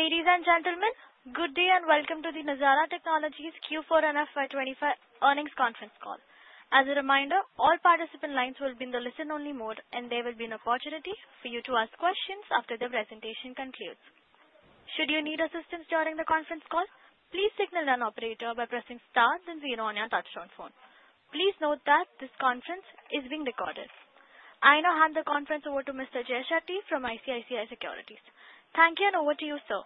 Ladies and gentlemen, good day and welcome to the Nazara Technologies Q4 and FY25 Earnings Conference Call. As a reminder, all participant lines will be in the listen-only mode, and there will be an opportunity for you to ask questions after the presentation concludes. Should you need assistance during the conference call, please signal an operator by pressing star then zero on your touch-tone phone. Please note that this conference is being recorded. I now hand the conference over to Mr. Jay Shetty from ICICI Securities. Thank you, and over to you, sir.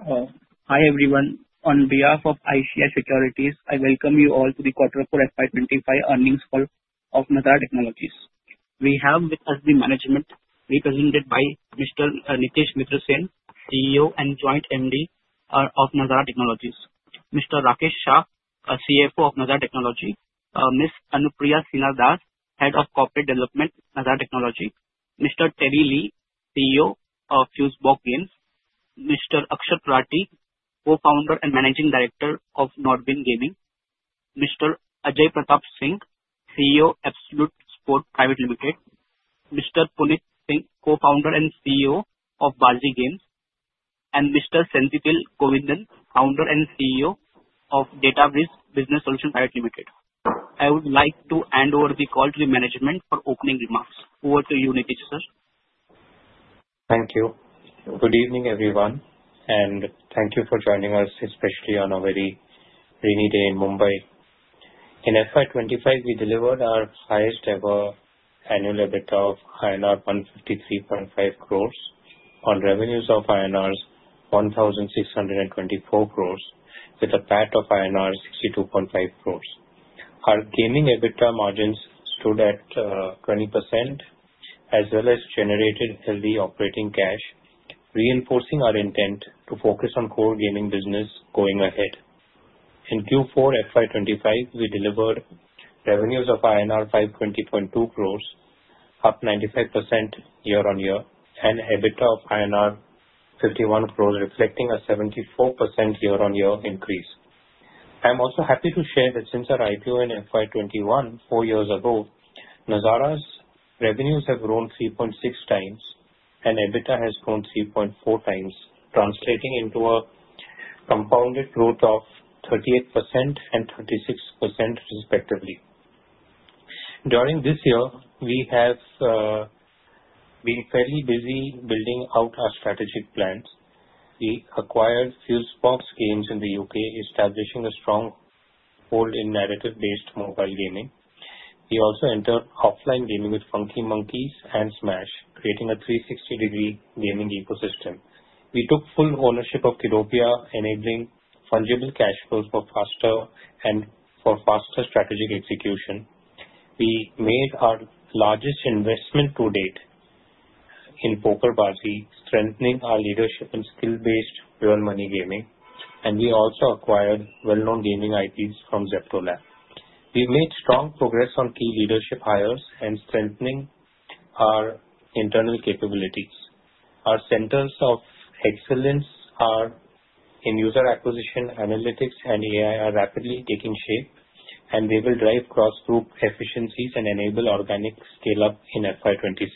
Hello and hi everyone. On behalf of ICICI Securities, I welcome you all to the fourth quarter FY25 earnings call of Nazara Technologies. We have with us the management represented by Mr. Nitish Mittersain, CEO and Joint MD of Nazara Technologies. Mr. Rakesh Shah, CFO of Nazara Technologies. Ms. Anupriya Sinha Das, Head of Corporate Development, Nazara Technologies. Mr. Terry Li, CEO of Fusebox Games. Mr. Akshat Rathee, Co-founder and Managing Director of NODWIN Gaming. Mr. Ajay Pratap Singh, CEO of Absolute Sports Private Limited. Mr. Puneet Singh, Co-founder and CEO of Baazi Games. And Mr. Senthil Govindan, Founder and CEO of Datawrkz Business Solution Private Limited. I would like to hand over the call to the management for opening remarks. Over to you, Nitish, sir. Thank you. Good evening, everyone, and thank you for joining us, especially on a very rainy day in Mumbai. In FY25, we delivered our highest ever annual EBITDA of INR 153.5 crores on revenues of INR 1,624 crores, with a PAT of INR 62.5 crores. Our gaming EBITDA margins stood at 20%, as well as generated healthy operating cash, reinforcing our intent to focus on core gaming business going ahead. In Q4 FY25, we delivered revenues of INR 520.2 crores, up 95% year-on-year, and EBITDA of INR 51 crores, reflecting a 74% year-on-year increase. I'm also happy to share that since our IPO in FY21, four years ago, Nazara's revenues have grown 3.6 times, and EBITDA has grown 3.4 times, translating into a compounded growth of 38% and 36%, respectively. During this year, we have been fairly busy building out our strategic plans. We acquired Fusebox Games in the U.K., establishing a strong hold in narrative-based mobile gaming. We also entered offline gaming with Funky Monkeys and Smaaash, creating a 360-degree gaming ecosystem. We took full ownership of Kiddopia, enabling fungible cash flows for faster strategic execution. We made our largest investment to date in PokerBaazi, strengthening our leadership in skill-based real money gaming, and we also acquired well-known gaming IPs from ZeptoLab. We've made strong progress on key leadership hires and strengthening our internal capabilities. Our Centers of Excellence in User Acquisition, analytics, and AI are rapidly taking shape, and they will drive cross-group efficiencies and enable organic scale-up in FY26.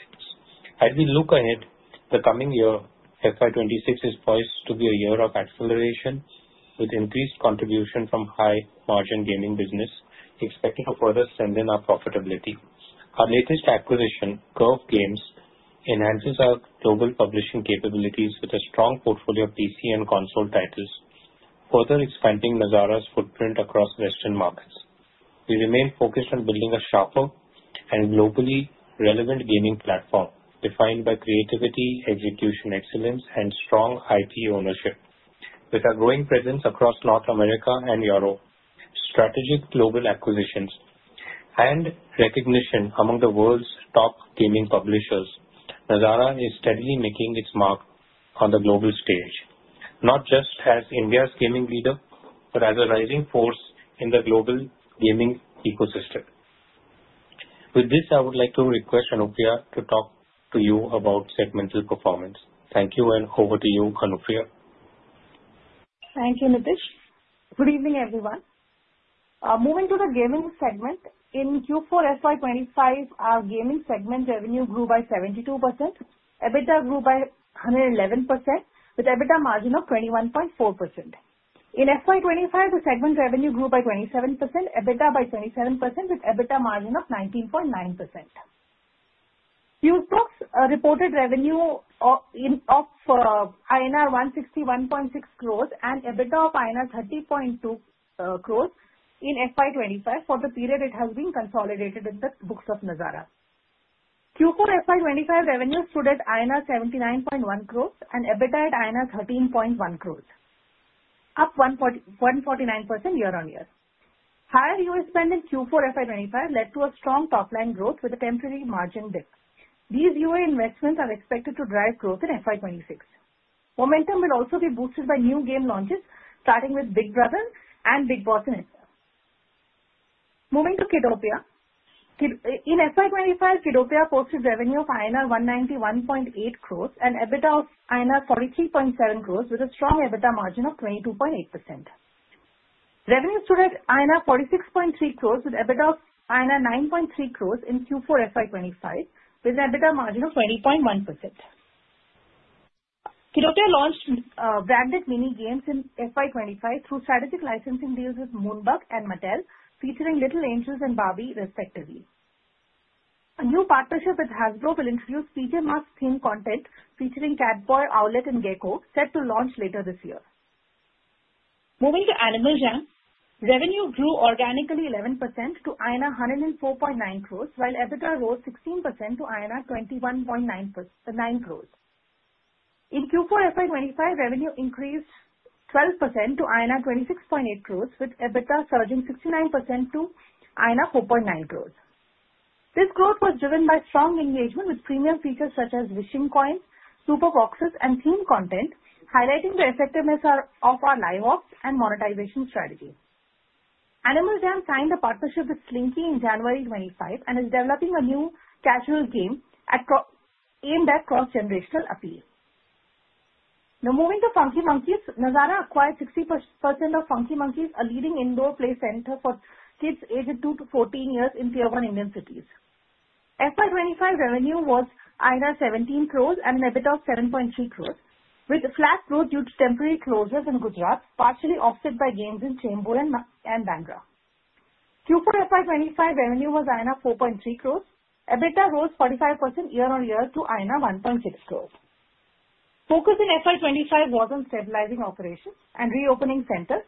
As we look ahead, the coming year, FY26, is poised to be a year of acceleration with increased contribution from high-margin gaming business, expecting to further strengthen our profitability. Our latest acquisition, Curve Games, enhances our global publishing capabilities with a strong portfolio of PC and console titles, further expanding Nazara's footprint across Western markets. We remain focused on building a sharper and globally relevant gaming platform, defined by creativity, execution excellence, and strong IP ownership. With our growing presence across North America and Europe, strategic global acquisitions, and recognition among the world's top gaming publishers, Nazara is steadily making its mark on the global stage, not just as India's gaming leader, but as a rising force in the global gaming ecosystem. With this, I would like to request Anupriya to talk to you about segmental performance. Thank you, and over to you, Anupriya. Thank you, Nitish. Good evening, everyone. Moving to the gaming segment, in Q4 FY25, our gaming segment revenue grew by 72%. EBITDA grew by 111%, with EBITDA margin of 21.4%. In FY25, the segment revenue grew by 27%, EBITDA by 27%, with EBITDA margin of 19.9%. Fusebox reported revenue of INR 161.6 crores and EBITDA of INR 30.2 crores in FY25 for the period it has been consolidated in the books of Nazara. Q4 FY25 revenue stood at INR 79.1 crores and EBITDA at INR 13.1 crores, up 149% year-on-year. Higher UA spend in Q4 FY25 led to a strong top-line growth with a temporary margin dip. These UA investments are expected to drive growth in FY26. Momentum will also be boosted by new game launches, starting with Big Brother and Bigg Boss in itself. Moving to Kiddopia, in FY25, Kiddopia posted revenue of INR 191.8 crores and EBITDA of INR 43.7 crores, with a strong EBITDA margin of 22.8%. Revenue stood at INR 46.3 crores, with EBITDA of INR 9.3 crores in Q4 FY25, with an EBITDA margin of 20.1%. Kiddopia launched branded Mini Games in FY25 through strategic licensing deals with Moonbug and Mattel, featuring Little Angel and Barbie, respectively. A new partnership with Hasbro will introduce PJ Masks' theme content, featuring Catboy, Owlette, and Gekko, set to launch later this year. Moving to Animal Jam, revenue grew organically 11% to 104.9 crores, while EBITDA rose 16% to 21.9 crores. In Q4 FY25, revenue increased 12% to 26.8 crores, with EBITDA surging 69% to 4.9 crores. This growth was driven by strong engagement with premium features such as wishing coins, super boxes, and theme content, highlighting the effectiveness of our live ops and monetization strategy. Animal Jam signed a partnership with Slinky in January 2025 and is developing a new casual game aimed at cross-generational appeal. Now, moving to Funky Monkeys, Nazara acquired 60% of Funky Monkeys, a leading indoor play center for kids aged 2 to 14 years in Tier 1 Indian cities. FY25 revenue was 17 crores and an EBITDA of 7.3 crores, with a flat growth due to temporary closures in Gujarat, partially offset by gains in Chembur and Bandra. Q4 FY25 revenue was INR 4.3 crores. EBITDA rose 45% year-on-year to INR 1.6 crores. Focus in FY25 was on stabilizing operations and reopening centers.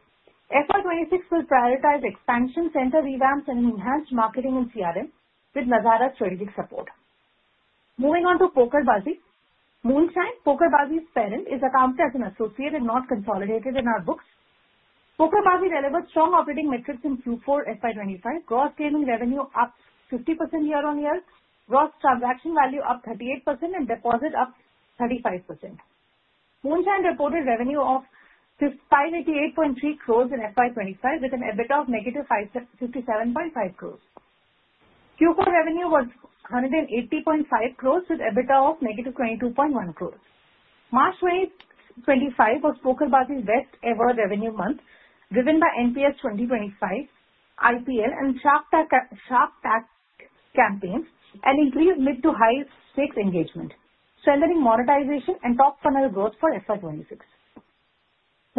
FY26 will prioritize expansion, center revamps, and enhanced marketing and CRM with Nazara's strategic support. Moving on to PokerBaazi, Moonshine, PokerBaazi's parent, is accounted as an associate and not consolidated in our books. PokerBaazi delivered strong operating metrics in Q4 FY25, gross gaming revenue up 50% year-on-year, gross transaction value up 38%, and deposit up 35%. Moonshine reported revenue of 588.3 crores in FY25, with an EBITDA of negative 57.5 crores. Q4 revenue was 180.5 crores, with EBITDA of negative 22.1 crores. March 2025 was PokerBaazi's best-ever revenue month, driven by NPS 2025, IPL, and Shark Tank campaigns, and increased mid to high stakes engagement, strengthening monetization and top-funnel growth for FY26.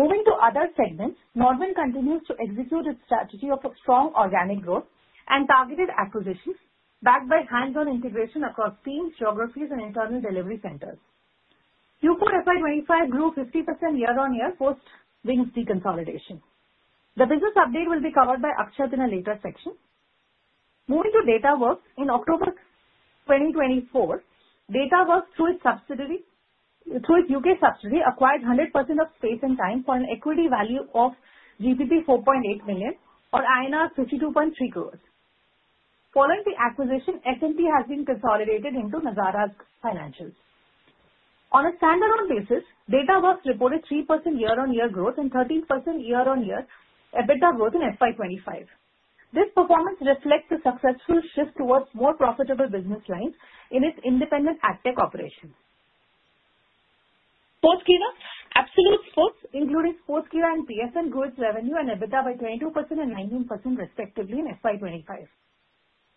Moving to other segments, NODWIN continues to execute its strategy of strong organic growth and targeted acquisitions, backed by hands-on integration across teams, geographies, and internal delivery centers. Q4 FY25 grew 50% year-on-year post Wings consolidation. The business update will be covered by Akshat in a later section. Moving to Datawrkz, in October 2024, Datawrkz, through its UK subsidiary, acquired 100% of Space and Time for an equity value of GBP 4.8 million, or INR 52.3 crores. Following the acquisition, S&T has been consolidated into Nazara's financials. On a standalone basis, Datawrkz reported 3% year-on-year growth and 13% year-on-year EBITDA growth in FY25. This performance reflects a successful shift towards more profitable business lines in its independent AdTech operations. Absolute Sports, including Sportskeeda and PFN, grew its revenue and EBITDA by 22% and 19%, respectively, in FY25.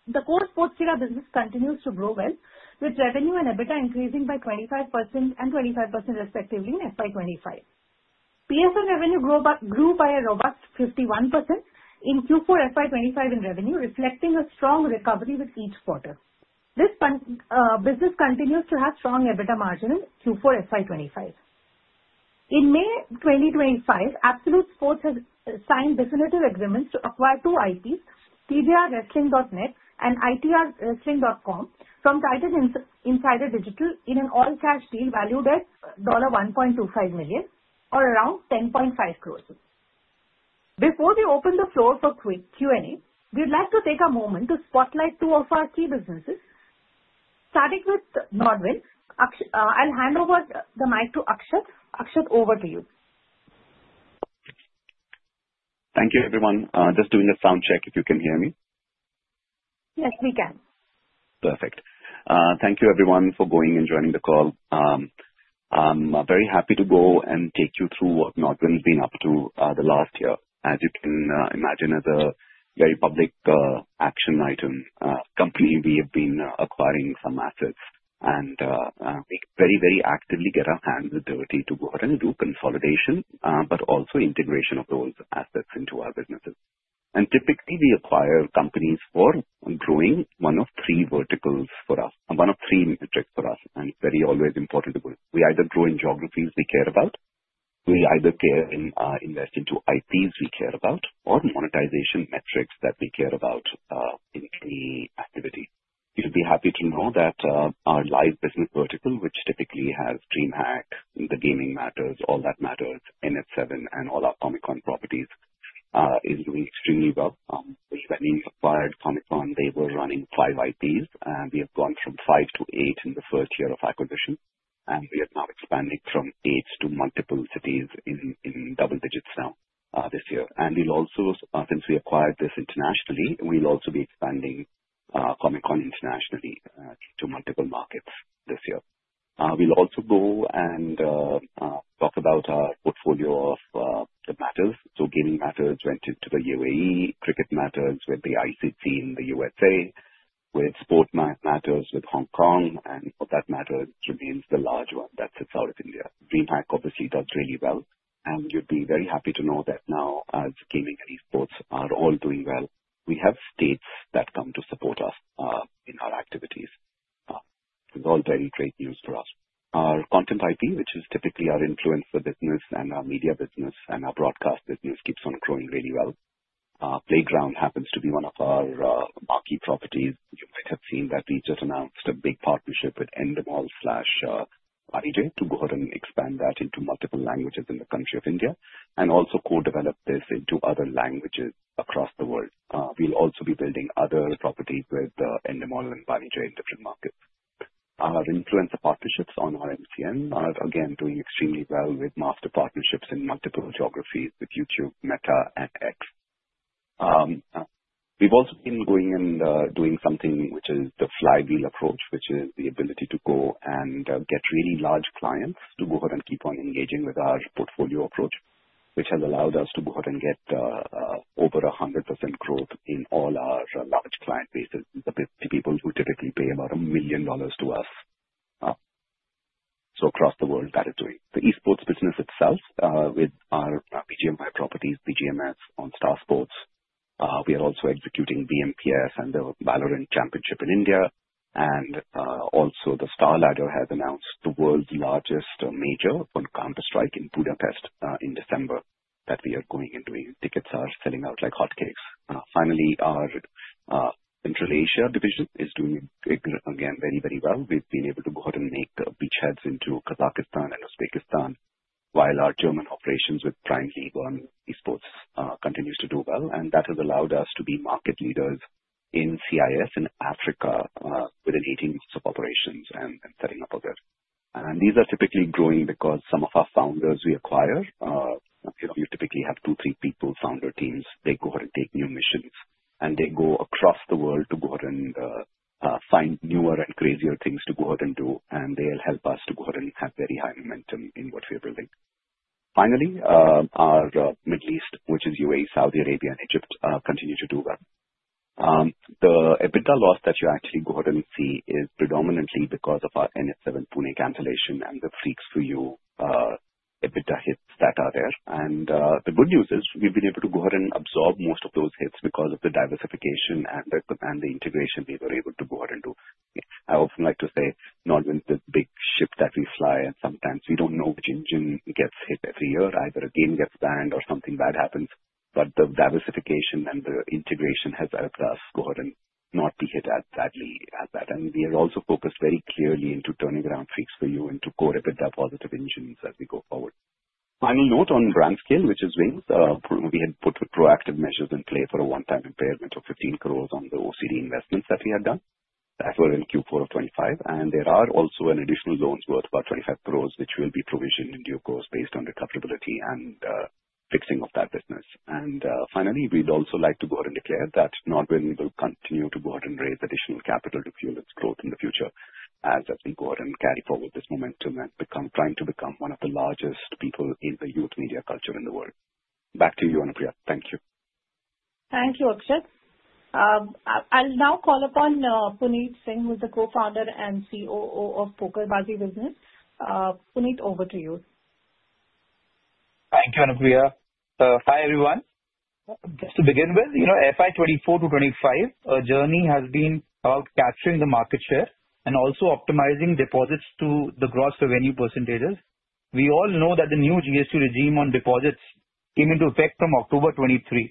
The core Sportskeeda business continues to grow well, with revenue and EBITDA increasing by 25% and 25%, respectively, in FY25. PFN revenue grew by a robust 51% in Q4 FY25 in revenue, reflecting a strong recovery with each quarter. This business continues to have strong EBITDA margins in Q4 FY25. In May 2025, Absolute Sports has signed definitive agreements to acquire two IPs, TJRWrestling.net and itrwrestling.com, from Titan Insider Digital in an all-cash deal valued at $1.25 million, or around 10.5 crores. Before we open the floor for Q&A, we'd like to take a moment to spotlight two of our key businesses. Starting with NODWIN, I'll hand over the mic to Akshat. Akshat, over to you. Thank you, everyone. Just doing a sound check if you can hear me? Yes, we can. Perfect. Thank you, everyone, for going and joining the call. I'm very happy to go and take you through what NODWIN's been up to the last year. As you can imagine, as a very public action item company, we have been acquiring some assets and very, very actively get our hands dirty to go ahead and do consolidation, but also integration of those assets into our businesses. Typically, we acquire companies for growing one of three verticals for us, one of three metrics for us, and it's very always important to go. We either grow in geographies we care about, we either invest into IPs we care about, or monetization metrics that we care about in any activity. You'll be happy to know that our live business vertical, which typically has DreamHack, the Gaming Matters, All That Matters, NH7, and all our Comic-Con properties, is doing extremely well. When we acquired Comic Con, they were running five IPs, and we have gone from five to eight in the first year of acquisition, and we are now expanding from eight to multiple cities in double digits now this year. And we'll also, since we acquired this internationally, we'll also be expanding Comic Con internationally to multiple markets this year. We'll also go and talk about our portfolio of the matters. So Gaming Matters went into the UAE, Cricket Matters with the ICC in the USA, with Sport Matters with Hong Kong, and All That Matters remains the large one that sits out of India. DreamHack, obviously, does really well, and you'd be very happy to know that now, as gaming and esports are all doing well, we have states that come to support us in our activities. This is all very great news for us. Our content IP, which is typically our influencer business and our media business and our broadcast business, keeps on growing really well. Playground happens to be one of our marquee properties. You might have seen that we just announced a big partnership with Endemol/Banijay to go ahead and expand that into multiple languages in the country of India and also co-develop this into other languages across the world. We'll also be building other properties with Endemol and Banijay in different markets. Our influencer partnerships on our MCN are, again, doing extremely well with master partnerships in multiple geographies with YouTube, Meta, and X. We've also been going and doing something which is the flywheel approach, which is the ability to go and get really large clients to go ahead and keep on engaging with our portfolio approach, which has allowed us to go ahead and get over 100% growth in all our large client bases, the 50 people who typically pay about $1 million to us. So across the world, that is doing. The esports business itself, with our BGMI properties, BGMS on Star Sports. We are also executing BMPS and the Valorant Championship in India, and also the StarLadder has announced the world's largest major on Counter-Strike in Budapest in December that we are going and doing. Tickets are selling out like hotcakes. Finally, our Central Asia division is doing, again, very, very well. We've been able to go ahead and make beachheads into Kazakhstan and Uzbekistan, while our German operations with Prime League on esports continues to do well, and that has allowed us to be market leaders in CIS in Africa within 18 months of operations and setting up a bit, and these are typically growing because some of our founders we acquire, you typically have two, three people, founder teams, they go ahead and take new missions, and they go across the world to go ahead and find newer and crazier things to go ahead and do, and they'll help us to go ahead and have very high momentum in what we are building. Finally, our Middle East, which is UAE, Saudi Arabia, and Egypt, continue to do well. The EBITDA loss that you actually go ahead and see is predominantly because of our NH7 Pune cancellation and the Freaks 4U EBITDA hits that are there. And the good news is we've been able to go ahead and absorb most of those hits because of the diversification and the integration we were able to go ahead and do. I also like to say NODWIN's the big ship that we fly, and sometimes we don't know which engine gets hit every year, either a game gets banned or something bad happens, but the diversification and the integration has helped us go ahead and not be hit as badly as that. And we are also focused very clearly into turning around Freaks 4U into core EBITDA-positive engines as we go forward. Final note on BrandScale, which is WINGS, we had put proactive measures in play for a one-time impairment of 15 crores on the OCD investments that we had done. That were in Q4 of 2025, and there are also additional loans worth about 25 crores, which will be provisioned in due course based on recoverability and fixing of that business. And finally, we'd also like to go ahead and declare that NODWIN will continue to go ahead and raise additional capital to fuel its growth in the future, as we go ahead and carry forward this momentum and trying to become one of the largest players in the youth media culture in the world. Back to you, Anupriya. Thank you. Thank you, Akshat. I'll now call upon Puneet Singh, who's the co-founder and COO of PokerBaazi. Puneet, over to you. Thank you, Anupriya. Hi, everyone. Just to begin with, FY 2024 to 2025, our journey has been about capturing the market share and also optimizing deposits to the gross revenue percentages. We all know that the new GST regime on deposits came into effect from October 2023.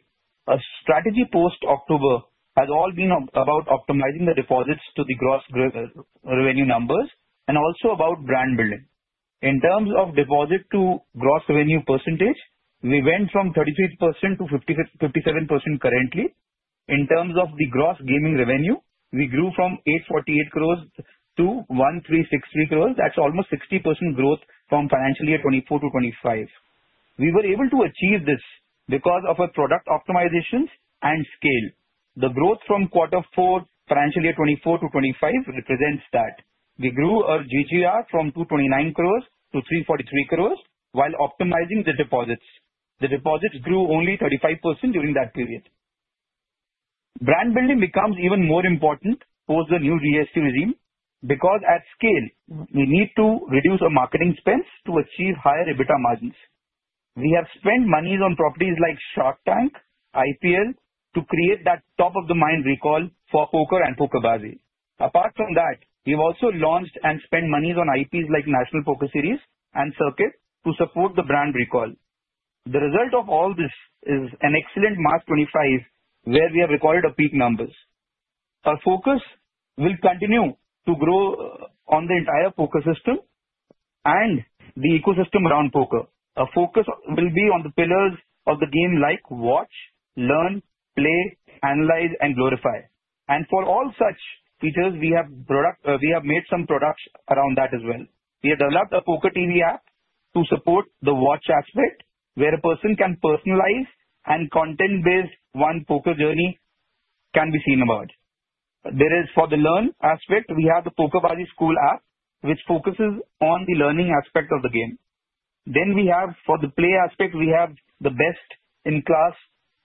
Our strategy post-October has all been about optimizing the deposits to the gross revenue numbers and also about brand building. In terms of deposit to gross revenue percentage, we went from 33% to 57% currently. In terms of the gross gaming revenue, we grew from 848 crores to 1363 crores. That's almost 60% growth from financial year 2024 to 2025. We were able to achieve this because of our product optimizations and scale. The growth from quarter four, financial year 2024 to 2025, represents that. We grew our GGR from 229 crores to 343 crores while optimizing the deposits. The deposits grew only 35% during that period. Brand building becomes even more important post the new GST regime because at scale, we need to reduce our marketing spends to achieve higher EBITDA margins. We have spent monies on properties like Shark Tank, IPL, to create that top-of-the-mind recall for Poker and PokerBaazi. Apart from that, we've also launched and spent monies on IPs like National Poker Series and Circuit to support the brand recall. The result of all this is an excellent March 2025 where we have recorded our peak numbers. Our focus will continue to grow on the entire Poker system and the ecosystem around Poker. Our focus will be on the pillars of the game like watch, learn, play, analyze, and glorify. And for all such features, we have made some products around that as well. We have developed a Poker TV app to support the watch aspect, where a person can personalize and content-based one Poker journey can be seen about. There is, for the learn aspect, we have the PokerBaazi School app, which focuses on the learning aspect of the game. Then we have, for the play aspect, we have the best-in-class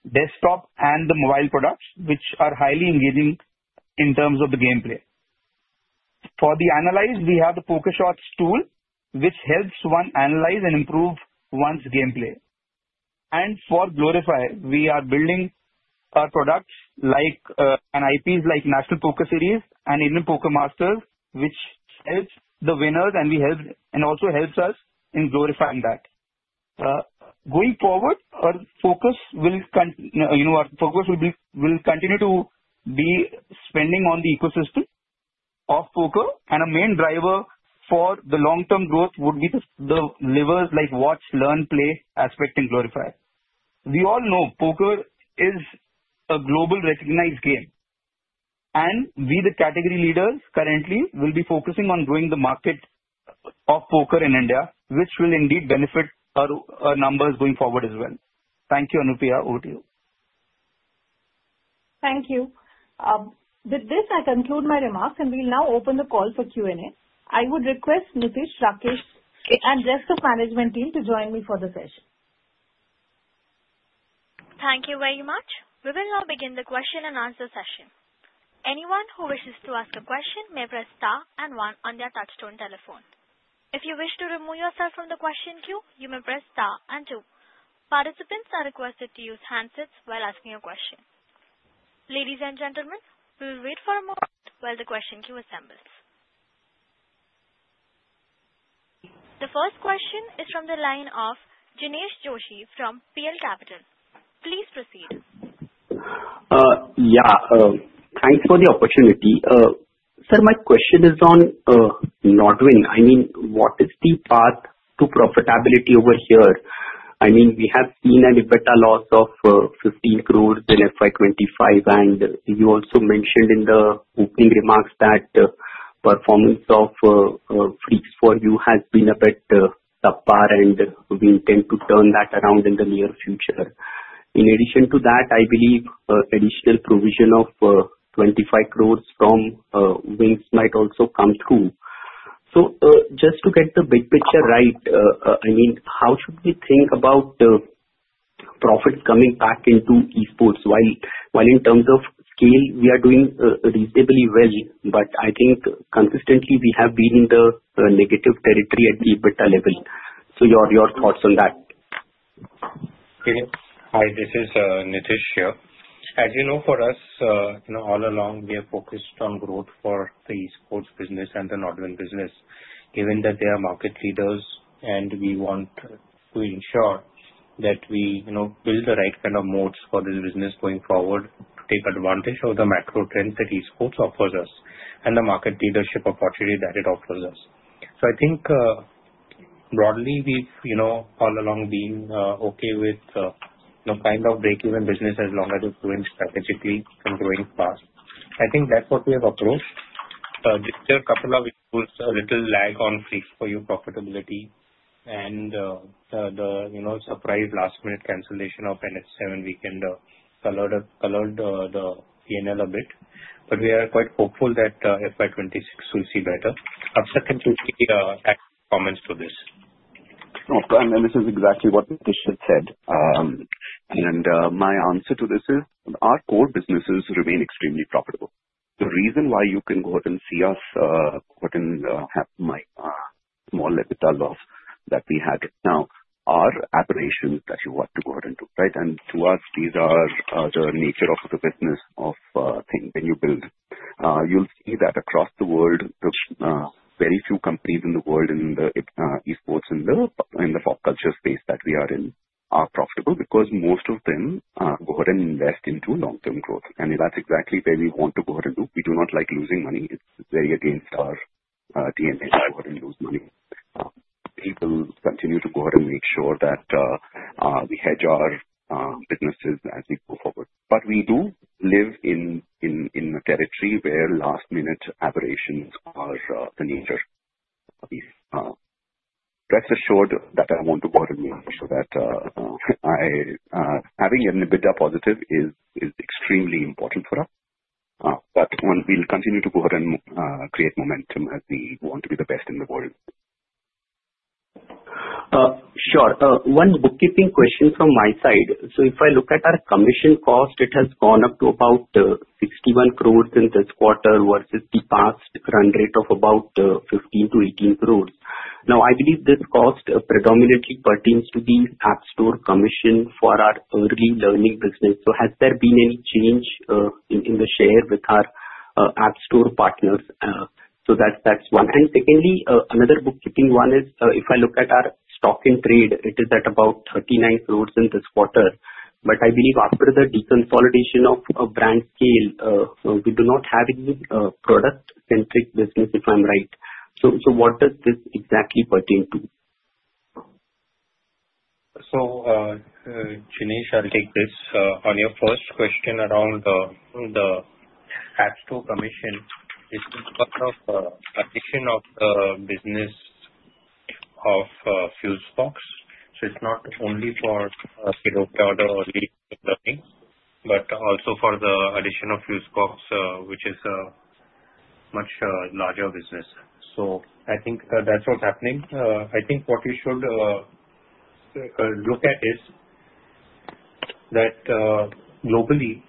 desktop and the mobile products, which are highly engaging in terms of the gameplay. For the analyze, we have the PokerShots tool, which helps one analyze and improve one's gameplay. And for glorify, we are building our products like and IPs like National Poker Series and Indian Poker Masters, which helps the winners and also helps us in glorifying that. Going forward, our focus will continue to be spending on the ecosystem of Poker, and a main driver for the long-term growth would be the levers like watch, learn, play aspect in glorifying. We all know Poker is a global recognized game, and we, the category leaders, currently will be focusing on growing the market of Poker in India, which will indeed benefit our numbers going forward as well. Thank you, Anupriya. Over to you. Thank you. With this, I conclude my remarks, and we'll now open the call for Q&A. I would request Nitish, Rakesh, and the rest of the management team to join me for the session. Thank you very much. We will now begin the question and answer session. Anyone who wishes to ask a question may press star and one on their touch-tone telephone. If you wish to remove yourself from the question queue, you may press star and two. Participants are requested to use handsets while asking a question. Ladies and gentlemen, we will wait for a moment while the question queue assembles. The first question is from the line of Jinesh Joshi from PL Capital. Please proceed. Yeah. Thanks for the opportunity. Sir, my question is on NODWIN. I mean, what is the path to profitability over here? I mean, we have seen an EBITDA loss of 15 crores in FY25, and you also mentioned in the opening remarks that the performance of Freaks 4U has been a bit subpar, and we intend to turn that around in the near future. In addition to that, I believe additional provision of 25 crores from WINGS might also come through. So just to get the big picture right, I mean, how should we think about profits coming back into esports while in terms of scale, we are doing reasonably well, but I think consistently we have been in the negative territory at the EBITDA level. So your thoughts on that? Hi, this is Nitish here. As you know, for us, all along, we have focused on growth for the esports business and the NODWIN business, given that they are market leaders, and we want to ensure that we build the right kind of modes for this business going forward to take advantage of the macro trends that esports offers us and the market leadership opportunity that it offers us. So I think broadly, we've all along been okay with kind of break-even business as long as it's doing strategically and growing fast. I think that's what we have approached. There are a couple of issues, a little lag on Freaks 4U profitability, and the surprise last-minute cancellation of NH7 Weekender colored the P&L a bit, but we are quite hopeful that FY26 will see better. Akshat, can you give your comments to this? This is exactly what Nitish had said. My answer to this is our core businesses remain extremely profitable. The reason why you can go ahead and see us go ahead and have a small EBITDA loss that we had. Now, our acquisitions that you want to go ahead and do, right? To us, these are the nature of the business of things when you build. You'll see that across the world, very few companies in the world in the esports and the pop culture space that we are in are profitable because most of them go ahead and invest into long-term growth. That's exactly where we want to go ahead and do. We do not like losing money. It's very against our DNA to go ahead and lose money. We will continue to go ahead and make sure that we hedge our businesses as we go forward. But we do live in a territory where last-minute aberrations are the nature. Rest assured that I want to go ahead and make sure that having an EBITDA positive is extremely important for us. But we'll continue to go ahead and create momentum as we want to be the best in the world. Sure. One bookkeeping question from my side. So if I look at our commission cost, it has gone up to about 61 crores in this quarter versus the past run rate of about 15-18 crores. Now, I believe this cost predominantly pertains to the App Store commission for our early learning business. So has there been any change in the share with our App Store partners? So that's one. And secondly, another bookkeeping one is if I look at our stock in trade, it is at about 39 crores in this quarter. But I believe after the deconsolidation of BrandScale, we do not have any product-centric business, if I'm right. So what does this exactly pertain to? Jinesh, I'll take this. On your first question around the App Store commission, it's because of the addition of the business of Fusebox. So it's not only for PokerBaazi or early learning, but also for the addition of Fusebox, which is a much larger business. So I think that's what's happening. I think what you should look at is that globally,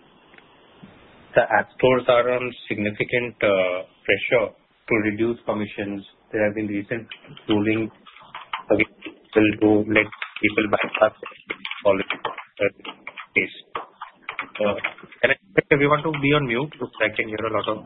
the App Stores are under significant pressure to reduce commissions. There have been recent rulings. We'll go let people buy stuff. Can I ask everyone to be on mute so that I can hear? A lot of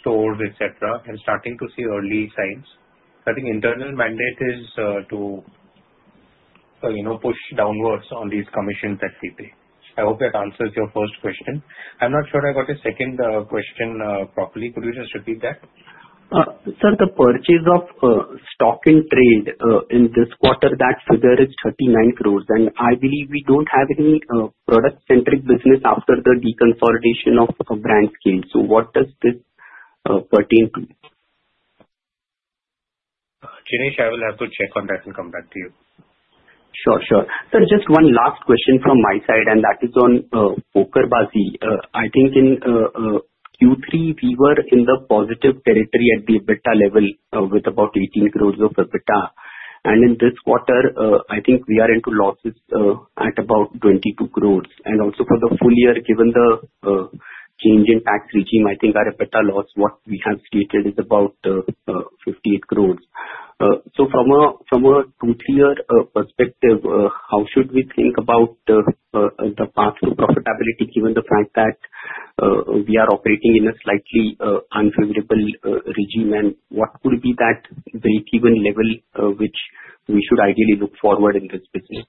stores, etc., and starting to see early signs? I think the internal mandate is to push downwards on these commissions that we pay. I hope that answers your first question. I'm not sure I got your second question properly. Could you just repeat that? Sir, the purchase of stock in trade in this quarter, that figure is 39 crores, and I believe we don't have any product-centric business after the deconsolidation of BrandScale, so what does this pertain to? Jinesh, I will have to check on that and come back to you. Sure, sure. Sir, just one last question from my side, and that is on PokerBaazi. I think in Q3, we were in the positive territory at the EBITDA level with about 18 crores of EBITDA. And in this quarter, I think we are into losses at about 22 crores. And also for the full year, given the change in tax regime, I think our EBITDA loss, what we have stated, is about 58 crores. So from a two-tier perspective, how should we think about the path to profitability given the fact that we are operating in a slightly unfavorable regime? And what would be that break-even level which we should ideally look forward in this business?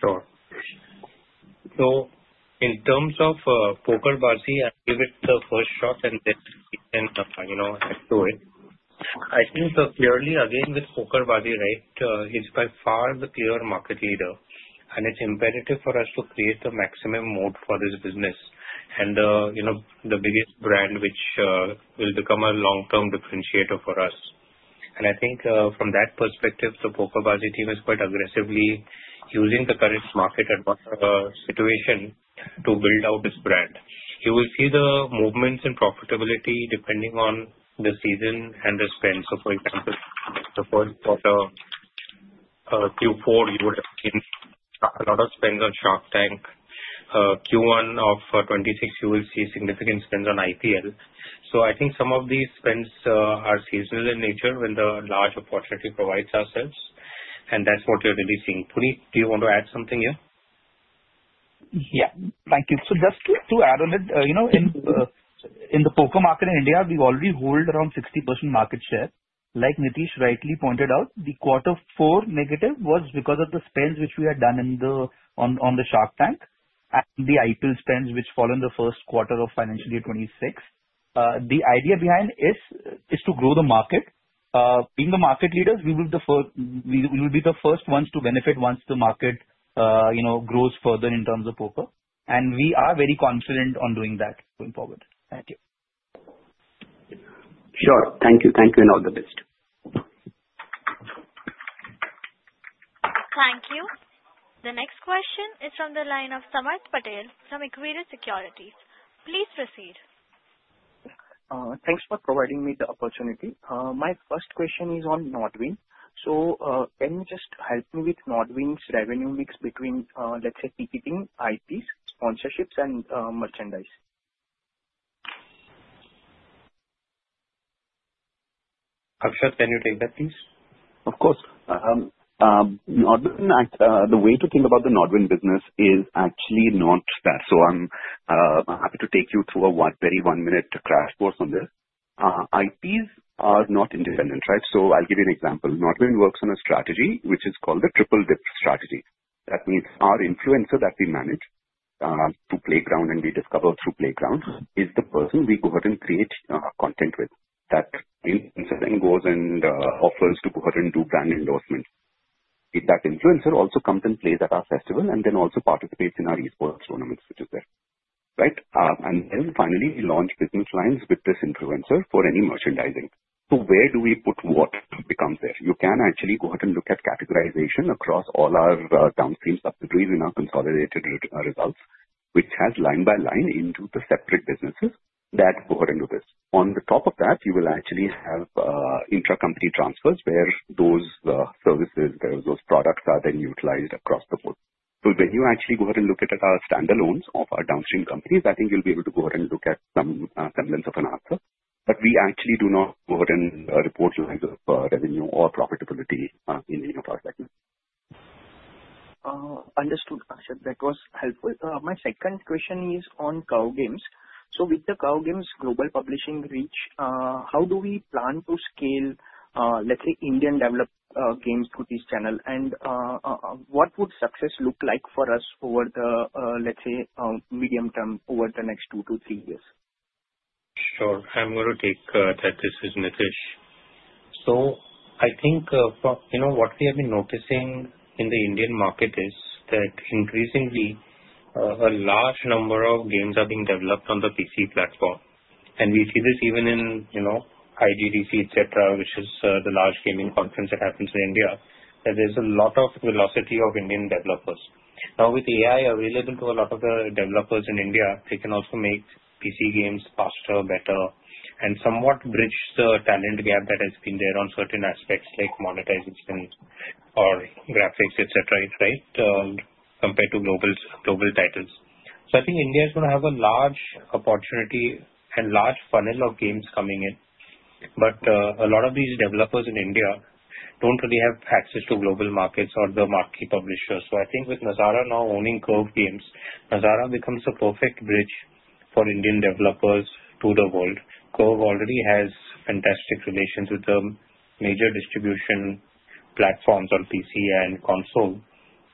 Sure. So in terms of PokerBaazi, I'll give it the first shot and then we can do it. I think clearly, again, with PokerBaazi, right, it's by far the clear market leader. And it's imperative for us to create the maximum moat for this business and the biggest brand, which will become a long-term differentiator for us. And I think from that perspective, the PokerBaazi team is quite aggressively using the current market situation to build out this brand. You will see the movements in profitability depending on the season and the spend. So for example, the first quarter, Q4, you would have seen a lot of spend on Shark Tank. Q1 of 2026, you will see significant spend on IPL. So I think some of these spends are seasonal in nature when the large opportunity presents itself. And that's what you're really seeing. Puneet, do you want to add something here? Yeah. Thank you. So just to add on it, in the Poker market in India, we already hold around 60% market share. Like Nitish rightly pointed out, the quarter four negative was because of the spends which we had done on the Shark Tank and the IPL spends which fall in the first quarter of financial year 2026. The idea behind is to grow the market. Being the market leaders, we will be the first ones to benefit once the market grows further in terms of Poker. And we are very confident on doing that going forward. Thank you. Sure. Thank you. Thank you and all the best. Thank you. The next question is from the line of Samarth Patel from ICICI Securities. Please proceed. Thanks for providing me the opportunity. My first question is on NODWIN. So can you just help me with NODWIN's revenue mix between, let's say, ticketing, IPs, sponsorships, and merchandise? Akshat, can you take that, please? Of course. The way to think about the NODWIN business is actually not that. So I'm happy to take you through a very one-minute crash course on this. IPs are not independent, right? So I'll give you an example. NODWIN works on a strategy which is called the triple-dip strategy. That means our influencer that we manage through Playground and we discover through Playground is the person we go ahead and create content with. That influencer then goes and offers to go ahead and do brand endorsements. That influencer also comes and plays at our festival and then also participates in our esports tournaments, which is there, right? And then finally, we launch business lines with this influencer for any merchandising. So where do we put what becomes there? You can actually go ahead and look at categorization across all our downstream subsidiaries in our consolidated results, which has line by line into the separate businesses that go ahead and do this. On top of that, you will actually have intra-company transfers where those services, those products are then utilized across the board. So when you actually go ahead and look at our standalones of our downstream companies, I think you'll be able to go ahead and look at some semblance of an answer. But we actually do not go ahead and report revenue or profitability in any of our segments. Understood, Akshat. That was helpful. My second question is on Curve Games. So with the Curve Games global publishing reach, how do we plan to scale, let's say, Indian developed games through this channel? What would success look like for us over the, let's say, medium term over the next two to three years? Sure. I'm going to take that decision, Nitish. So I think what we have been noticing in the Indian market is that increasingly, a large number of games are being developed on the PC platform. And we see this even in IGDC, etc., which is the large gaming conference that happens in India, that there's a lot of velocity of Indian developers. Now, with AI available to a lot of the developers in India, they can also make PC games faster, better, and somewhat bridge the talent gap that has been there on certain aspects like monetization or graphics, etc., right, compared to global titles. So I think India is going to have a large opportunity and large funnel of games coming in. But a lot of these developers in India don't really have access to global markets or the marquee publishers. So I think with Nazara now owning Curve Games, Nazara becomes a perfect bridge for Indian developers to the world. Curve already has fantastic relations with the major distribution platforms on PC and console.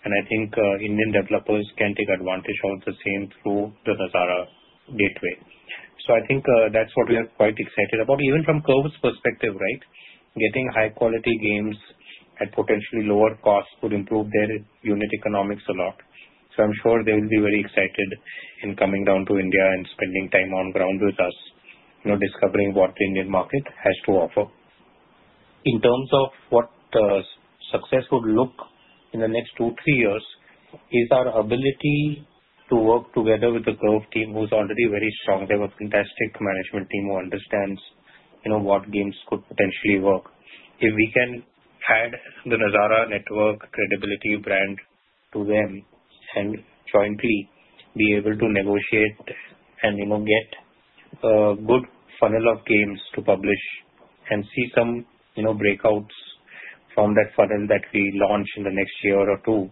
And I think Indian developers can take advantage of the same through the Nazara gateway. So I think that's what we are quite excited about. Even from Curve's perspective, right, getting high-quality games at potentially lower costs would improve their unit economics a lot. So I'm sure they will be very excited in coming down to India and spending time on ground with us, discovering what the Indian market has to offer. In terms of what success would look in the next two to three years is our ability to work together with the Curve team who's already very strong. They have a fantastic management team who understands what games could potentially work. If we can add the Nazara network credibility brand to them and jointly be able to negotiate and get a good funnel of games to publish and see some breakouts from that funnel that we launch in the next year or two,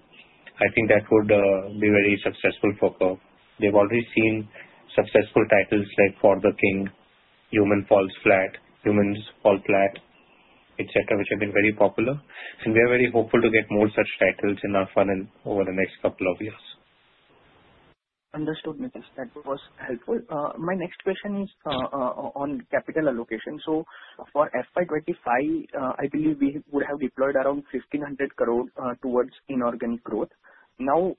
I think that would be very successful for Curve. They've already seen successful titles like For The King, Human: Fall Flat, etc., which have been very popular, and we are very hopeful to get more such titles in our funnel over the next couple of years. Understood, Nitish. That was helpful. My next question is on capital allocation. So for FY25, I believe we would have deployed around 1,500 crore towards inorganic growth. Now,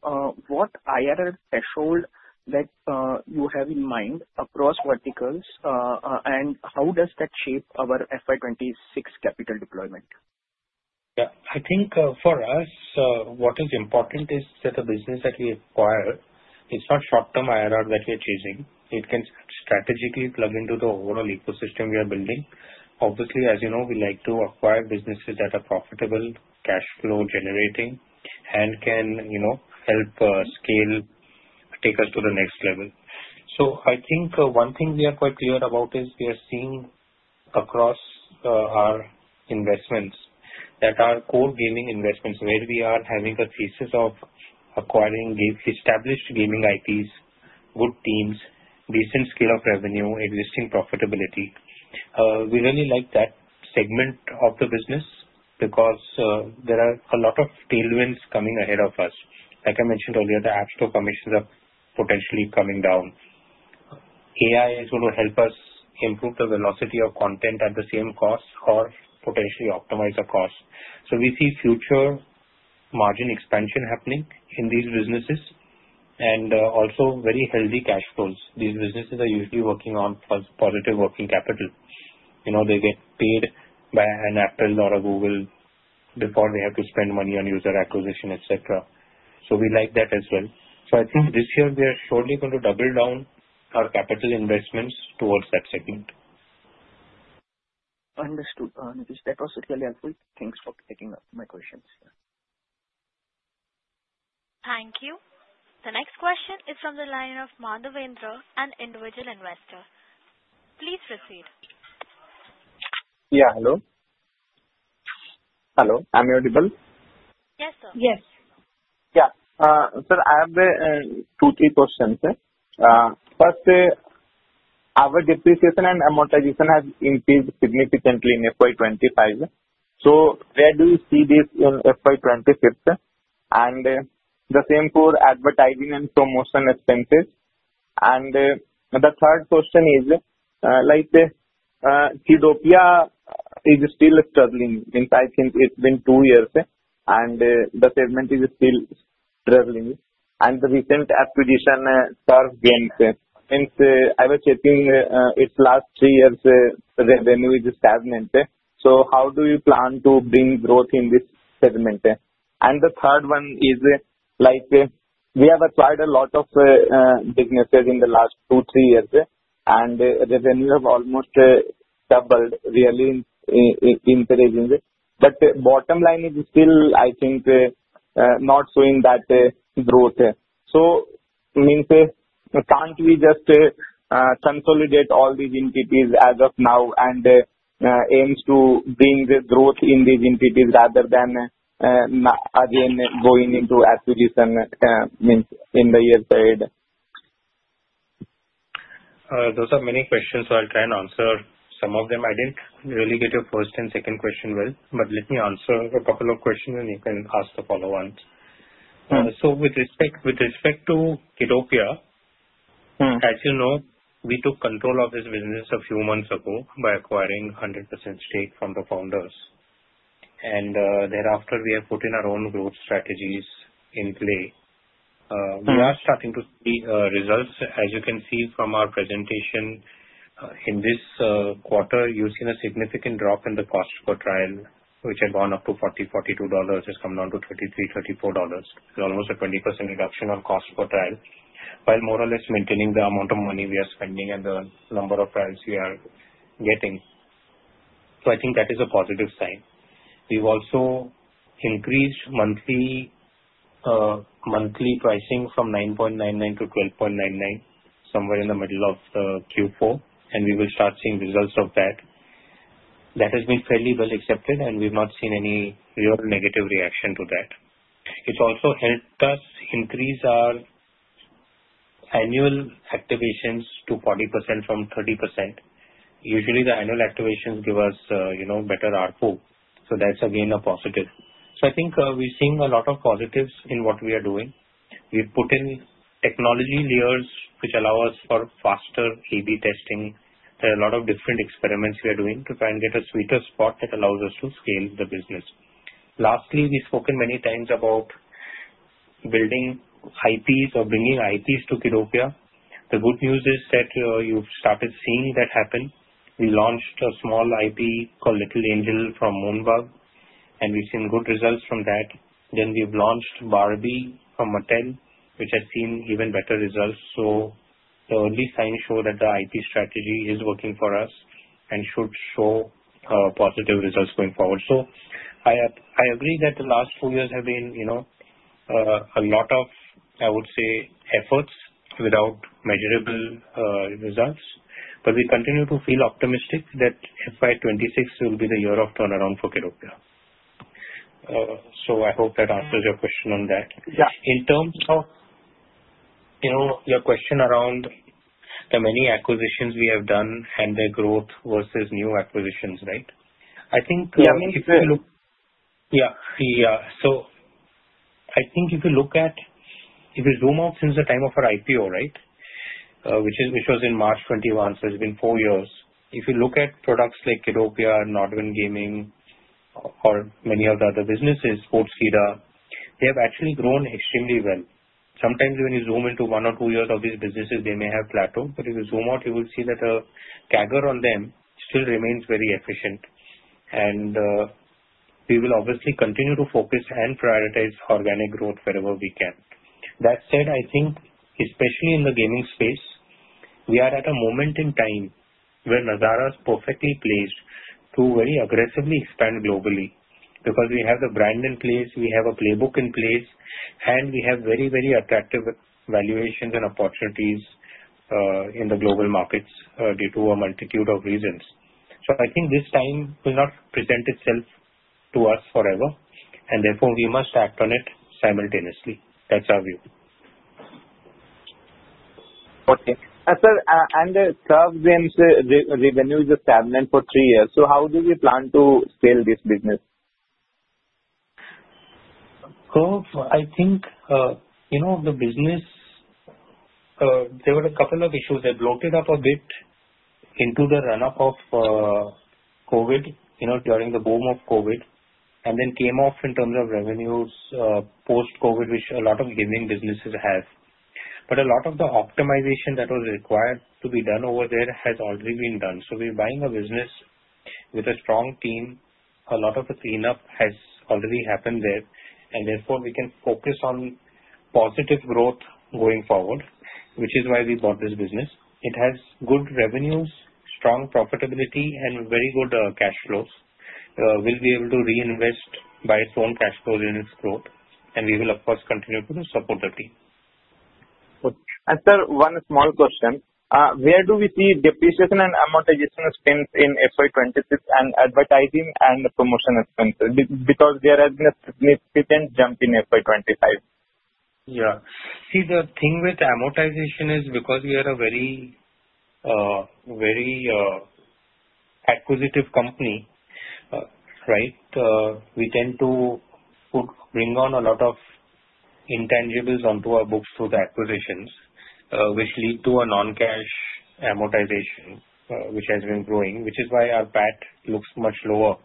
what IRR threshold that you have in mind across verticals, and how does that shape our FY26 capital deployment? Yeah. I think for us, what is important is that the business that we acquire. It's not short-term IRR that we are chasing. It can strategically plug into the overall ecosystem we are building. Obviously, as you know, we like to acquire businesses that are profitable, cash flow generating, and can help scale, take us to the next level. So I think one thing we are quite clear about is we are seeing across our investments that our core gaming investments, where we are having a thesis of acquiring established gaming IPs, good teams, decent scale of revenue, existing profitability. We really like that segment of the business because there are a lot of tailwinds coming ahead of us. Like I mentioned earlier, the App Store commissions are potentially coming down. AI is going to help us improve the velocity of content at the same cost or potentially optimize the cost. So we see future margin expansion happening in these businesses and also very healthy cash flows. These businesses are usually working on positive working capital. They get paid by an Apple or a Google before they have to spend money on user acquisition, etc. So we like that as well. So I think this year, we are surely going to double down our capital investments towards that segment. Understood, Nitish. That was really helpful. Thanks for taking up my questions. Thank you. The next question is from the line of Madhavendra, an individual investor. Please proceed. Yeah. Hello. Hello. Am I audible? Yes, sir. Yes. Yeah. Sir, I have two or three questions. First, our depreciation and amortization has increased significantly in FY25. So where do you see this in FY26? And the same for advertising and promotion expenses. And the third question is, Kiddopia is still struggling. I think it's been two years, and the segment is still struggling. And the recent acquisition Fusebox Games. I was checking its last three years' revenue is stagnant. So how do you plan to bring growth in this segment? And the third one is, we have acquired a lot of businesses in the last two to three years, and revenues have almost doubled, really encouraging. But the bottom line is still, I think, not showing that growth. So can't we just consolidate all these entities as of now and aim to bring the growth in these entities rather than again going into acquisition in the years ahead? Those are many questions, so I'll try and answer some of them. I didn't really get your first and second question well, but let me answer a couple of questions, and you can ask the follow-ons. So with respect to Kiddopia, as you know, we took control of this business a few months ago by acquiring 100% stake from the founders. And thereafter, we have put in our own growth strategies in play. We are starting to see results. As you can see from our presentation, in this quarter, you've seen a significant drop in the cost per trial, which had gone up to $40, $42. It's come down to $33, $34. It's almost a 20% reduction on cost per trial, while more or less maintaining the amount of money we are spending and the number of trials we are getting. So I think that is a positive sign. We've also increased monthly pricing from $9.99 to $12.99, somewhere in the middle of Q4, and we will start seeing results of that. That has been fairly well accepted, and we've not seen any real negative reaction to that. It's also helped us increase our annual activations to 40% from 30%. Usually, the annual activations give us better R4. So that's again a positive. So I think we're seeing a lot of positives in what we are doing. We've put in technology layers which allow us for faster A/B testing. There are a lot of different experiments we are doing to try and get a sweeter spot that allows us to scale the business. Lastly, we've spoken many times about building IPs or bringing IPs to Kiddopia. The good news is that you've started seeing that happen. We launched a small IP called Little Angel from Moonbug, and we've seen good results from that. Then we've launched Barbie from Mattel, which has seen even better results. So the early signs show that the IP strategy is working for us and should show positive results going forward. So I agree that the last two years have been a lot of, I would say, efforts without measurable results. But we continue to feel optimistic that FY26 will be the year of turnaround for Kiddopia. So I hope that answers your question on that. In terms of your question around the many acquisitions we havedone and the growth versus new acquisitions, right? I think if you look, yeah. Yeah. So I think if you look at if we zoom out since the time of our IPO, right, which was in March 2021, so it's been four years, if you look at products like Kiddopia, NODWIN Gaming, or many of the other businesses, Sportskeeda, they have actually grown extremely well. Sometimes when you zoom into one or two years of these businesses, they may have plateaued, but if you zoom out, you will see that a CAGR on them still remains very efficient. And we will obviously continue to focus and prioritize organic growth wherever we can. That said, I think, especially in the gaming space, we are at a moment in time where Nazara is perfectly placed to very aggressively expand globally because we have the brand in place, we have a playbook in place, and we have very, very attractive valuations and opportunities in the global markets due to a multitude of reasons. So I think this time will not present itself to us forever, and therefore we must act on it simultaneously. That's our view. Okay. And the Curve Games revenue is stagnant for three years. So how do you plan to scale this business? Curve, I think the business. There were a couple of issues. They bloated up a bit into the run-up of COVID, during the boom of COVID, and then came off in terms of revenues post-COVID, which a lot of gaming businesses have. But a lot of the optimization that was required to be done over there has already been done. So we're buying a business with a strong team. A lot of the cleanup has already happened there. And therefore, we can focus on positive growth going forward, which is why we bought this business. It has good revenues, strong profitability, and very good cash flows. We'll be able to reinvest by its own cash flow in its growth, and we will, of course, continue to support the team. Sir, one small question. Where do we see depreciation and amortization spent in FY26 and advertising and promotion expenses? Because there has been a significant jump in FY25. Yeah. See, the thing with amortization is because we are a very acquisitive company, right? We tend to bring on a lot of intangibles onto our books through the acquisitions, which lead to a non-cash amortization, which has been growing, which is why our PAT looks much lower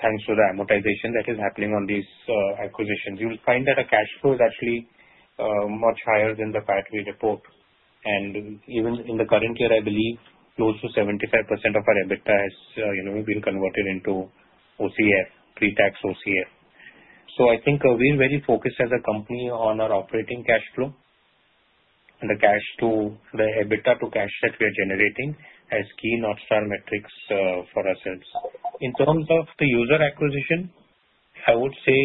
thanks to the amortization that is happening on these acquisitions. You will find that our cash flow is actually much higher than the PAT we report. And even in the current year, I believe close to 75% of our EBITDA has been converted into OCF, pre-tax OCF. So I think we're very focused as a company on our operating cash flow. The EBITDA to cash that we are generating has key North Star metrics for ourselves. In terms of the user acquisition, I would say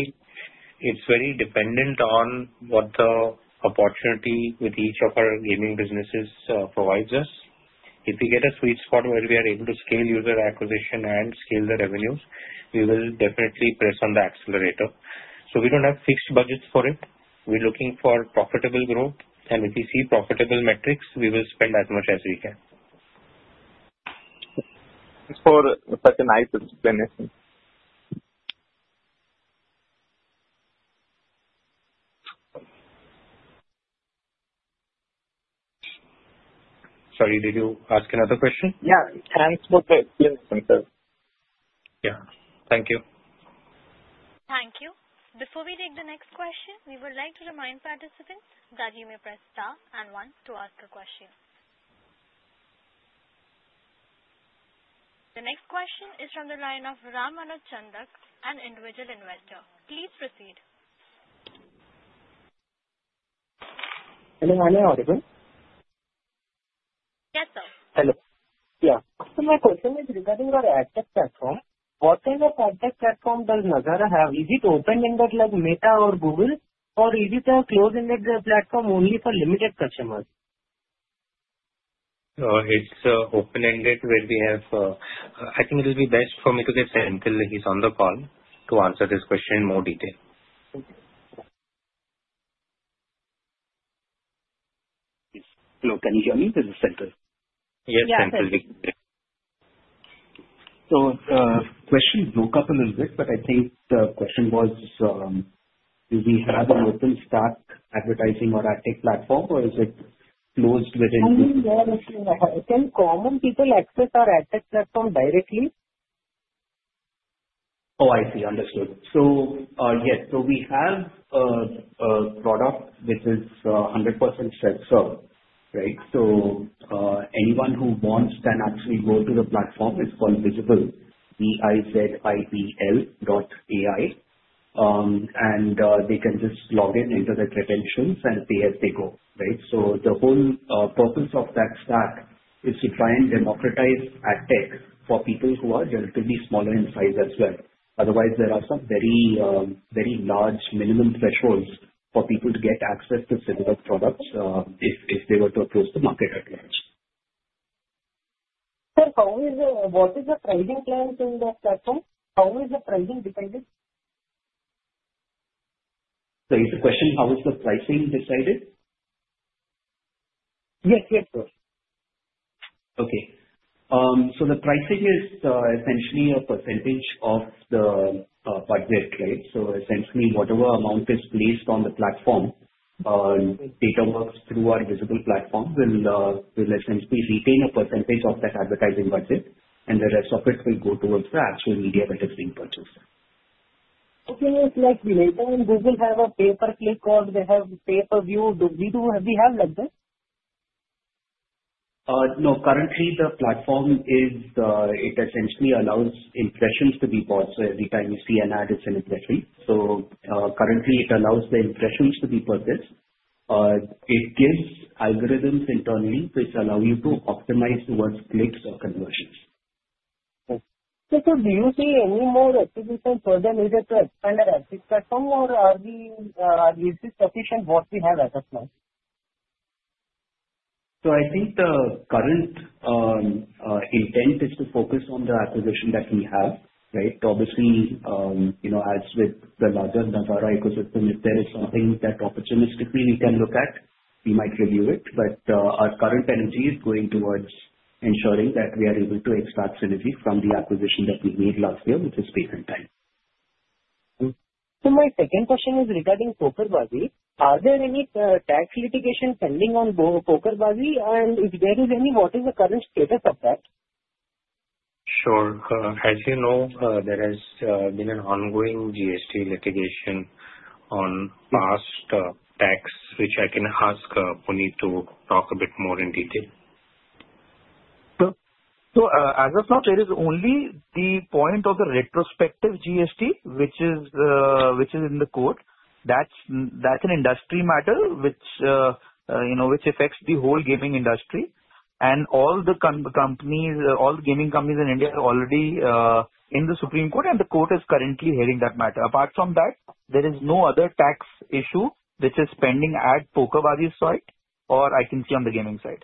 it's very dependent on what the opportunity with each of our gaming businesses provides us. If we get a sweet spot where we are able to scale user acquisition and scale the revenues, we will definitely press on the accelerator. So we don't have fixed budgets for it. We're looking for profitable growth. And if we see profitable metrics, we will spend as much as we can. Thanks for such a nice explanation. Sorry, did you ask another question? Yeah, and what's the expenses? Yeah. Thank you. Thank you. Before we take the next question, we would like to remind participants that you may press star and one to ask a question. The next question is from the line of Ram Anand Chandak, an individual investor. Please proceed. Hello. I'm Audible. Yes, sir. Hello. Yeah. So my question is regarding your AdTech platform. What kind of AdTech platform does Nazara have? Is it open-ended like Meta or Google, or is it a closed-ended platform only for limited customers? It's open-ended where we have. I think it will be best for me to get Senthil. He's on the call to answer this question in more detail. Hello. Can you hear me? This is Central. Yes, Central. The question broke up a little bit, but I think the question was, do we have an open stack advertising or AdTech platform, or is it closed within? I think common people access our AdTech platform directly. Oh, I see. Understood. So yes. So we have a product which is 100% self-serve, right? So anyone who wants can actually go to the platform. It's called Vizibl, V-I-Z-I-B-L .ai. And they can just log in, enter their credentials, and pay as they go, right? So the whole purpose of that stack is to try and democratize AdTech for people who are relatively smaller in size as well. Otherwise, there are some very large minimum thresholds for people to get access to similar products if they were to approach the market at large. So how is the what is the pricing plan in that platform? How is the pricing decided? So is the question how is the pricing decided? Yes, yes, sir. Okay. So the pricing is essentially a percentage of the budget, right? So essentially, whatever amount is placed on the platform, Datawrkz through our Vizibl platform will essentially retain a percentage of that advertising budget, and the rest of it will go towards the actual media that is being purchased. Okay. Like later on, Google have a pay-per-click or they have pay-per-view? Do we have like this? No. Currently, the platform, it essentially allows impressions to be bought. So every time you see an ad, it's an impression. So currently, it allows the impressions to be purchased. It gives algorithms internally which allow you to optimize towards clicks or conversions. Okay. So do you see any more acquisition further needed to expand our AdTech platform, or are these sufficient what we have at this point? I think the current intent is to focus on the acquisition that we have, right? Obviously, as with the larger Nazara ecosystem, if there is something that opportunistically we can look at, we might review it. But our current energy is going towards ensuring that we are able to extract synergy from the acquisition that we made last year, which is taking time. My second question is regarding PokerBaazi. Are there any tax litigation pending on PokerBaazi? And if there is any, what is the current status of that? Sure. As you know, there has been an ongoing GST litigation on past tax, which I can ask Puneet to talk a bit more in detail. As of now, there is only the point of the retrospective GST, which is in the court. That's an industry matter which affects the whole gaming industry. And all the gaming companies in India are already in the Supreme Court, and the court is currently hearing that matter. Apart from that, there is no other tax issue which is pending at PokerBaazi's side or I can see on the gaming side.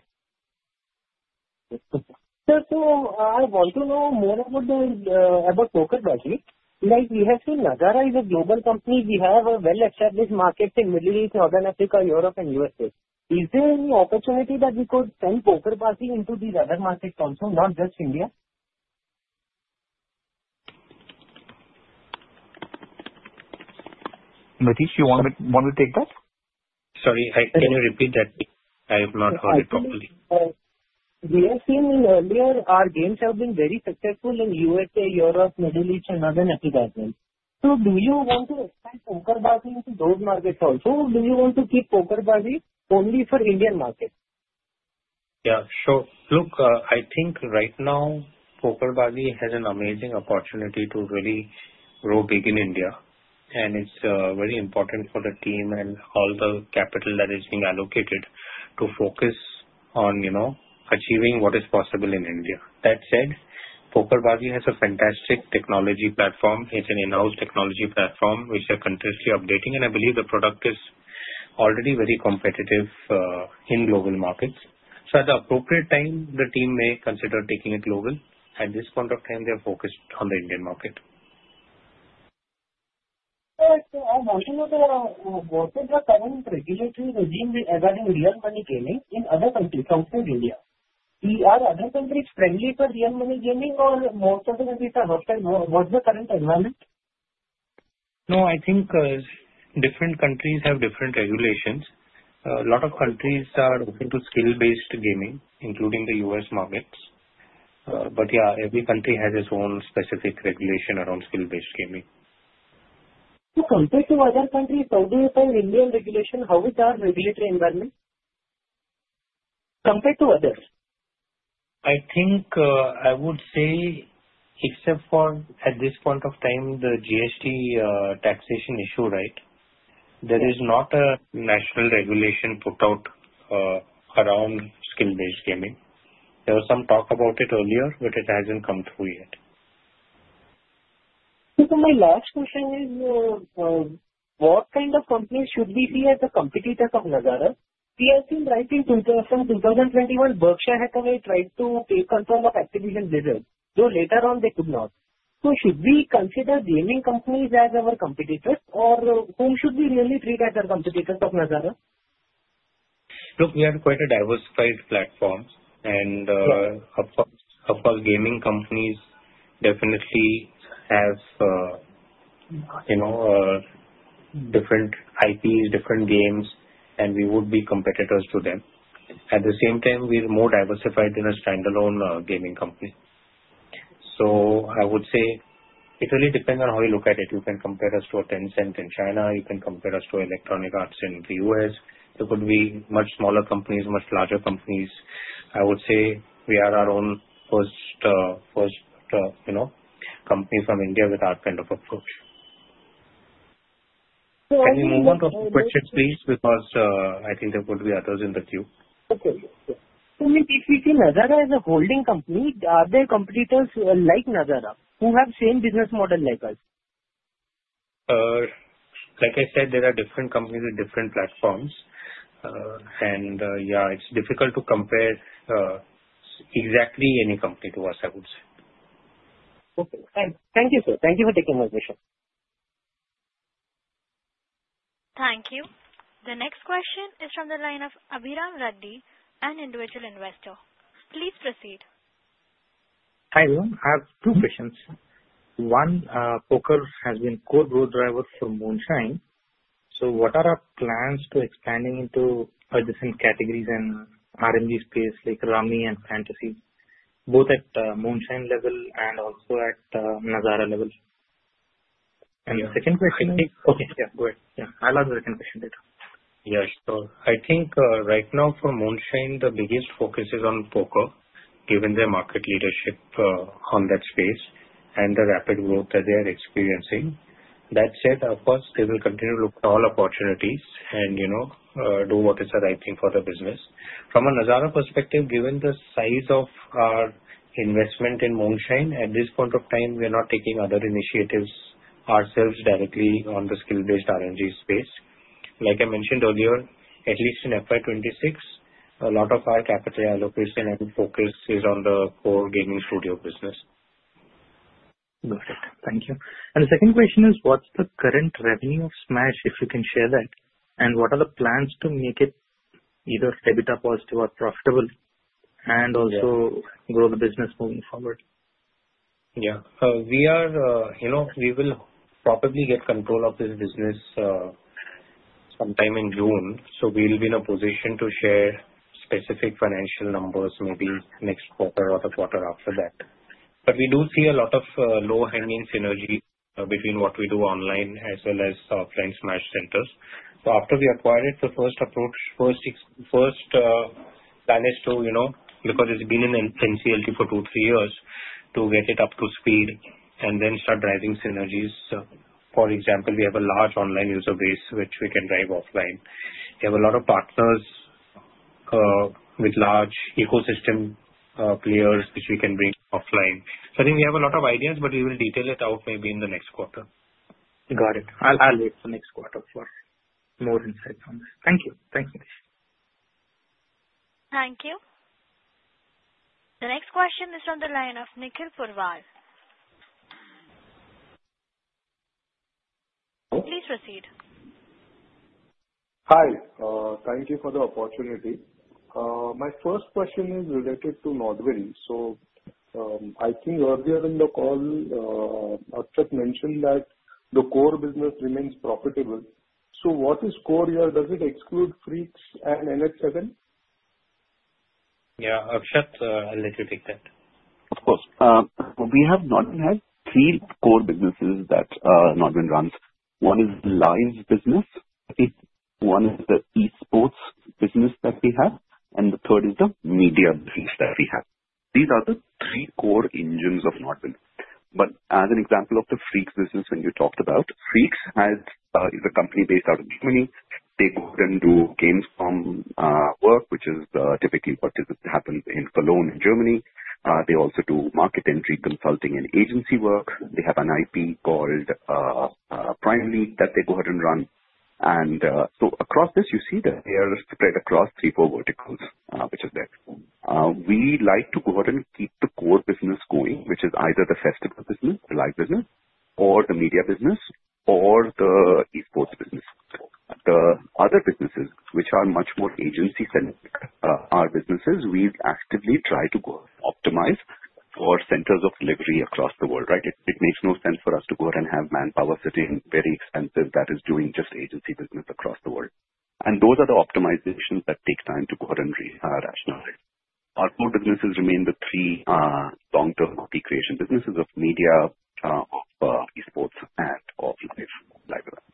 So I want to know more about PokerBaazi. We have seen Nazara is a global company. We have a well-established market in Middle East, North Africa, Europe, and USA. Is there any opportunity that we could send PokerBaazi into these other markets also, not just India? Nitish, you want to take that? Sorry. Can you repeat that? I have not heard it properly. We have seen earlier our games have been very successful in USA, Europe, Middle East, and North Africa. So do you want to extend PokerBaazi into those markets also? Or do you want to keep PokerBaazi only for the Indian market? Yeah. Sure. Look, I think right now, PokerBaazi has an amazing opportunity to really grow big in India. And it's very important for the team and all the capital that is being allocated to focus on achieving what is possible in India. That said, PokerBaazi has a fantastic technology platform. It's an in-house technology platform which they are continuously updating. And I believe the product is already very competitive in global markets. So at the appropriate time, the team may consider taking it global. At this point of time, they are focused on the Indian market. I want to know what is the current regulatory regime regarding real money gaming in other countries outside India. Are other countries friendly for real money gaming, or most of the countries are hostile? What's the current environment? No. I think different countries have different regulations. A lot of countries are open to skill-based gaming, including the U.S. markets. But yeah, every country has its own specific regulation around skill-based gaming. So compared to other countries, how do you find Indian regulation? How is our regulatory environment compared to others? I think I would say, except for at this point of time, the GST taxation issue, right? There is not a national regulation put out around skill-based gaming. There was some talk about it earlier, but it hasn't come through yet. So my last question is, what kind of companies should we see as the competitors of Nazara? We have seen, right, from 2021, Berkshire Hathaway tried to take control of Activision Blizzard. Though later on, they could not. So should we consider gaming companies as our competitors, or whom should we really treat as our competitors of Nazara? Look, we have quite a diversified platform, and of course, gaming companies definitely have different IPs, different games, and we would be competitors to them. At the same time, we are more diversified than a standalone gaming company, so I would say it really depends on how you look at it. You can compare us to a Tencent in China. You can compare us to Electronic Arts in the U.S. There could be much smaller companies, much larger companies. I would say we are our own first company from India with our kind of approach. So if. Can you move on to the question, please? Because I think there could be others in the queue. Okay. So if we see Nazara as a holding company, are there competitors like Nazara who have the same business model like us? Like I said, there are different companies with different platforms, and yeah, it's difficult to compare exactly any company to us, I would say. Okay. Thank you, sir. Thank you for taking my question. Thank you. The next question is from the line of Abhiram Reddy, an individual investor. Please proceed. Hi, everyone. I have two questions. One, Poker has been a core growth driver for Moonshine. So what are our plans to expand into other categories and R&D space like Rummy and Fantasy, both at Moonshine level and also at Nazara level? And the second question is. Okay. Yeah. Go ahead. Yeah. I'll answer the second question later. Yes. So I think right now for Moonshine, the biggest focus is on Poker, given their market leadership on that space and the rapid growth that they are experiencing. That said, of course, they will continue to look for all opportunities and do what is the right thing for their business. From a Nazara perspective, given the size of our investment in Moonshine, at this point of time, we are not taking other initiatives ourselves directly on the skill-based R&D space. Like I mentioned earlier, at least in FY26, a lot of our capital allocation and focus is on the core gaming studio business. Got it. Thank you. And the second question is, what's the current revenue of Smaaash, if you can share that? And what are the plans to make it either EBITDA positive or profitable and also grow the business moving forward? Yeah. We will probably get control of this business sometime in June. So we'll be in a position to share specific financial numbers maybe next quarter or the quarter after that. But we do see a lot of low-hanging synergy between what we do online as well as offline Smaaash centers. So after we acquired it, the first approach, first plan is to, because it's been in NCLT for two, three years, to get it up to speed and then start driving synergies. For example, we have a large online user base which we can drive offline. We have a lot of partners with large ecosystem players which we can bring offline. So I think we have a lot of ideas, but we will detail it out maybe in the next quarter. Got it. I'll wait for next quarter for more insights on this. Thank you. Thanks, Nitish. Thank you. The next question is from the line of Nikhil Purwal. Please proceed. Hi. Thank you for the opportunity. My first question is related to NODWIN. So I think earlier in the call, Akshat mentioned that the core business remains profitable. So what is core here? Does it exclude Freaks and NH7? Yeah. Akshat, let me take that. Of course. We have NODWIN. We have three core businesses that NODWIN runs. One is the live business. One is the esports business that we have. And the third is the media business that we have. These are the three core engines of NODWIN. But as an example of the Freaks 4U business, when you talked about, Freaks 4U is a company based out of Germany. They go and do Gamescom, which is typically what happens in Cologne in Germany. They also do market entry consulting and agency work. They have an IP called Prime League that they go ahead and run. And so across this, you see that they are spread across three, four verticals, which is there. We like to go ahead and keep the core business going, which is either the festival business, the live business, or the media business, or the esports business. The other businesses, which are much more agency-centric, are businesses we actively try to optimize for centers of delivery across the world, right? It makes no sense for us to go ahead and have manpower sitting very expensive that is doing just agency business across the world. And those are the optimizations that take time to go ahead and rationalize. Our core businesses remain the three long-term copy creation businesses of media, of esports, and of live events.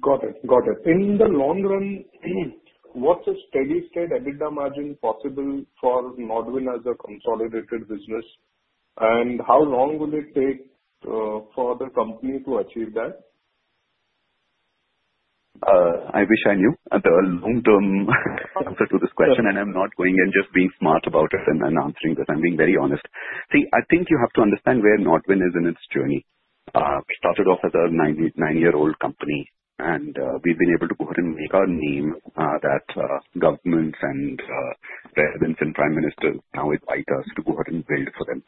Got it. Got it. In the long run, what's the steady state EBITDA margin possible for NODWIN as a consolidated business? And how long will it take for the company to achieve that? I wish I knew. That's a long-term answer to this question, and I'm not going and just being smart about it and answering this. I'm being very honest. See, I think you have to understand where NODWIN is in its journey. We started off as a nine-year-old company, and we've been able to go ahead and make our name that governments and presidents and prime ministers now invite us to go ahead and build for them.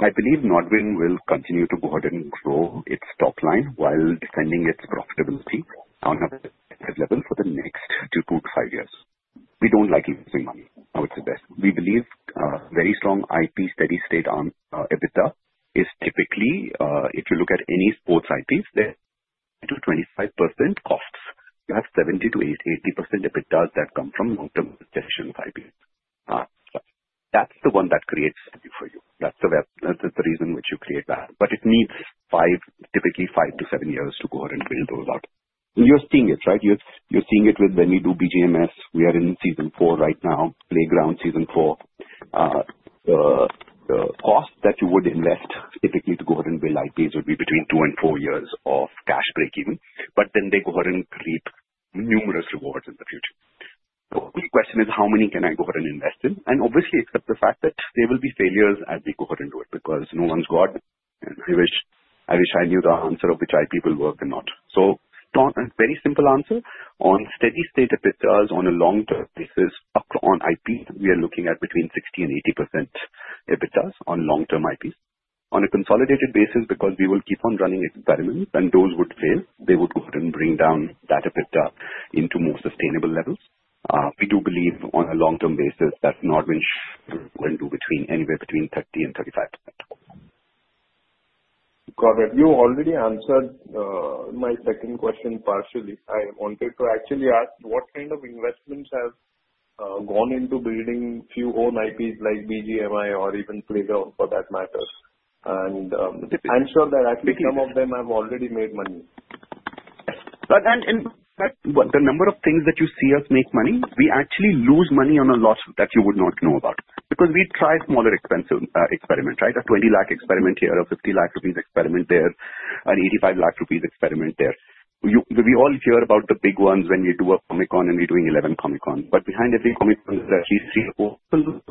I believe NODWIN will continue to go ahead and grow its top line while defending its profitability on a level for the next two to five years. We don't like losing money, I would suggest. We believe very strong IP steady state on EBITDA is typically, if you look at any sports IPs, they're 20%-25% costs. You have 70%-80% EBITDAs that come from long-term acquisition of IPs. That's the one that creates value for you. That's the reason which you create value. But it needs typically five to seven years to go ahead and build those out. You're seeing it, right? You're seeing it with when we do BGMS. We are in season four right now, Playground season four. The cost that you would invest typically to go ahead and build IPs would be between two and four years of cash break-even. But then they go ahead and create numerous rewards in the future. The question is, how many can I go ahead and invest in? And obviously, accept the fact that there will be failures as we go ahead and do it because no one's God. And I wish I knew the answer of which IP will work or not. So a very simple answer. On steady state EBITDAs on a long-term basis, on IPs, we are looking at between 60% and 80% EBITDAs on long-term IPs. On a consolidated basis, because we will keep on running experiments and those would fail, they would go ahead and bring down that EBITDA into more sustainable levels. We do believe on a long-term basis that NODWIN will do anywhere between 30% and 35%. Got it. You already answered my second question partially. I wanted to actually ask, what kind of investments have gone into building fully-owned IPs like BGMI or even Playground for that matter? And I'm sure that actually some of them have already made money. The number of things that you see us make money, we actually lose money on a lot that you would not know about. Because we try smaller experiments, right? A 20 lakh experiment here, a 50 lakh rupees experiment there, an 85 lakh rupees experiment there. We all hear about the big ones when we do a Comic-Con and we're doing 11 Comic-Cons. But behind every Comic-Con is at least three or four.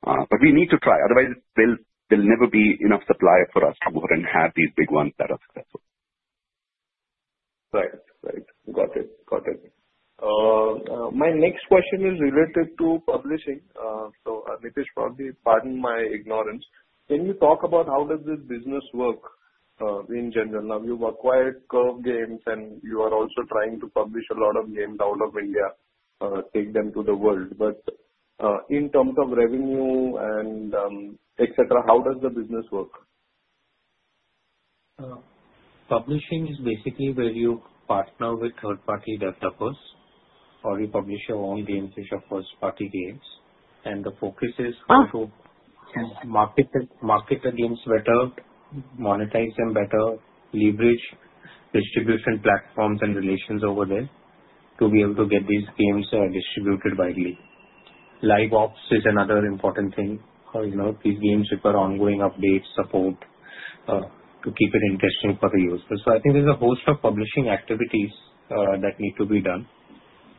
But we need to try. Otherwise, there'll never be enough supply for us to go ahead and have these big ones that are successful. Right. Right. Got it. Got it. My next question is related to publishing. So, Nikhil, probably pardon my ignorance. Can you talk about how does this business work in general? Now, you've acquired Curve Games, and you are also trying to publish a lot of games out of India, take them to the world. But in terms of revenue and etc., how does the business work? Publishing is basically where you partner with third-party developers or you publish your own games which are first-party games. The focus is how to market the games better, monetize them better, leverage distribution platforms and relations over there to be able to get these games distributed widely. Live ops is another important thing. These games require ongoing updates, support to keep it interesting for the users. I think there's a host of publishing activities that need to be done,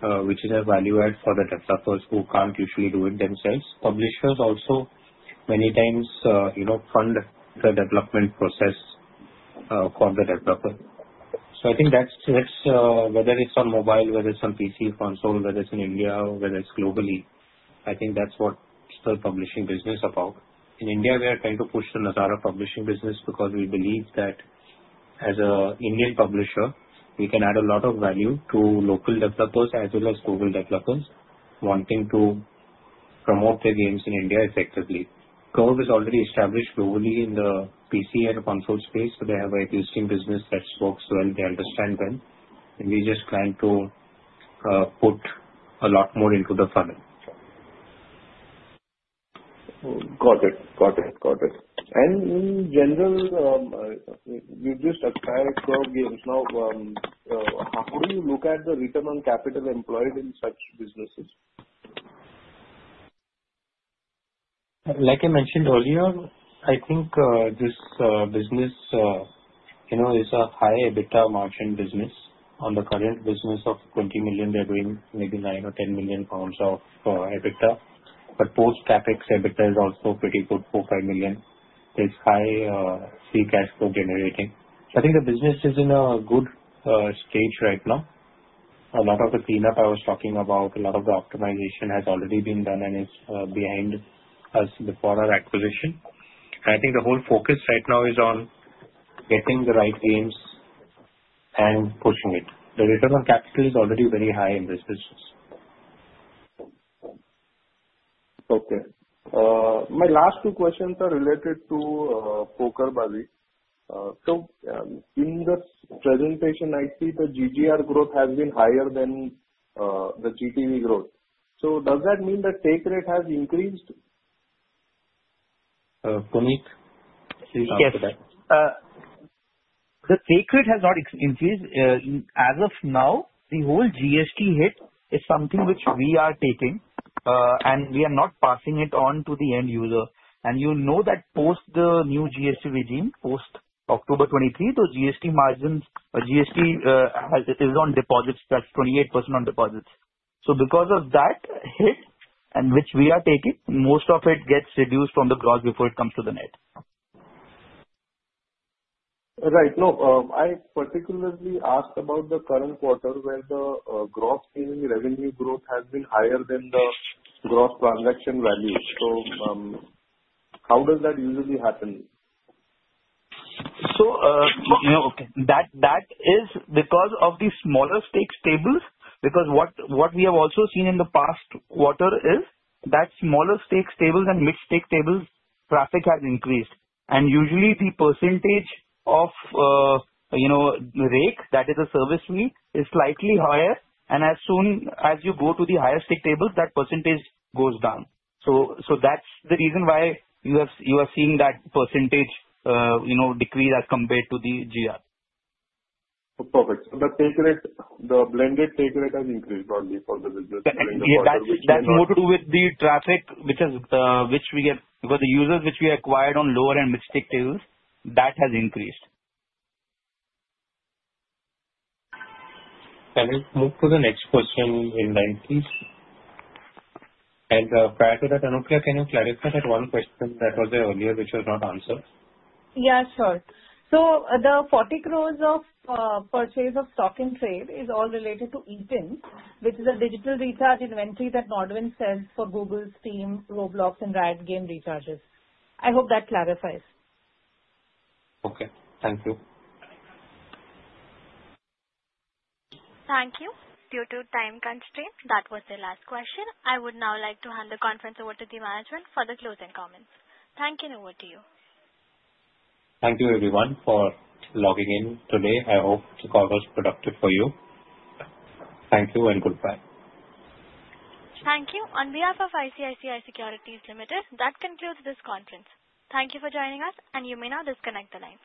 which is a value add for the developers who can't usually do it themselves. Publishers also many times fund the development process for the developer. I think that's whether it's on mobile, whether it's on PC console, whether it's in India, whether it's globally, I think that's what the publishing business is about. In India, we are trying to push the Nazara publishing business because we believe that as an Indian publisher, we can add a lot of value to local developers as well as global developers wanting to promote their games in India effectively. Curve is already established globally in the PC and console space, so they have an existing business that works well. They understand well. We just plan to put a lot more into the funnel. Got it. And in general, you just acquired Curve Games. Now, how do you look at the return on capital employed in such businesses? Like I mentioned earlier, I think this business is a high EBITDA margin business. On the current business of 20 million GBP, they're doing maybe 9 or 10 million pounds of EBITDA. But post-CapEx, EBITDA is also pretty good, 4-5 million GBP. There's high free cash flow generating. So I think the business is in a good stage right now. A lot of the cleanup I was talking about, a lot of the optimization has already been done and is behind us before our acquisition. And I think the whole focus right now is on getting the right games and pushing it. The return on capital is already very high in this business. Okay. My last two questions are related to PokerBaazi. So in this presentation, I see the GGR growth has been higher than the GTV growth. So does that mean the take rate has increased? Puneet, please answer that. Yes. The take rate has not increased. As of now, the whole GST hit is something which we are taking, and we are not passing it on to the end user. And you know that post the new GST regime, post October 23, the GST margin is on deposits. That's 28% on deposits. So because of that hit and which we are taking, most of it gets reduced from the gross before it comes to the net. Right. No, I particularly asked about the current quarter where the gross revenue growth has been higher than the gross transaction value, so how does that usually happen? So that is because of the smaller stakes tables. Because what we have also seen in the past quarter is that smaller stakes tables and mid-stake tables, traffic has increased. And usually, the percentage of rake, that is the service fee, is slightly higher. And as soon as you go to the higher stake tables, that percentage goes down. So that's the reason why you are seeing that percentage decrease as compared to the GGR. Perfect. So the blended take rate has increased only for the business. That's more to do with the traffic, which we get because the users which we acquired on lower and mid-stake tables, that has increased. Can we move to the next question in line, please? And prior to that, Anukya, can you clarify that one question that was there earlier which was not answered? Yeah, sure. So the 40 crores of purchase of stock and trade is all related to e-pins, which is a digital recharge inventory that NODWIN sells for Google, Steam, Roblox, and Riot Games recharges. I hope that clarifies. Okay. Thank you. Thank you. Due to time constraint, that was the last question. I would now like to hand the conference over to the management for the closing comments. Thank you and over to you. Thank you, everyone, for logging in today. I hope the call was productive for you. Thank you and goodbye. Thank you. On behalf of ICICI Securities Limited, that concludes this conference. Thank you for joining us, and you may now disconnect the lines.